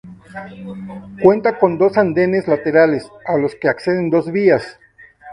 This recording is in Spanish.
Cuenta con dos andenes laterales, a los que acceden dos vías.